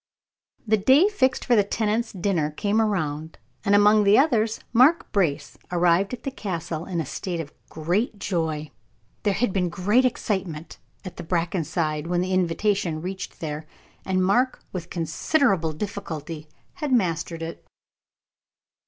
The day fixed for the tenants' dinner came round, and among the others Mark Brace arrived at the Castle in a state of great glory. There had been great excitement at Brackenside when the invitation reached there, and Mark, with considerable difficulty, had mastered it.